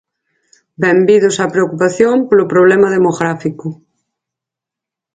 Benvidos á preocupación polo problema demográfico.